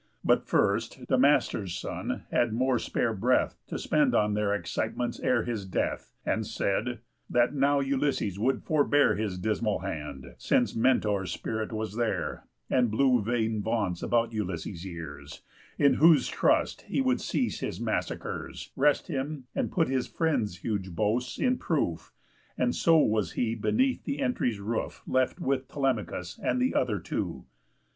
But first, Damastor's son had more spare breath To spend on their excitements ere his death, And said: That now Ulysses would forbear His dismal hand, since Mentor's spirit was there, And blew vain vaunts about Ulysses' ears; In whose trust he would cease his massacres, Rest him, and put his friend's huge boasts in proof; And so was he beneath the entry's roof Left with Telemachus and th' other two.